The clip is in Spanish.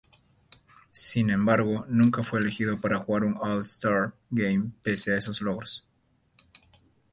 Sin embargo, nunca fue elegido para jugar un All-Star Game pese a esos logros.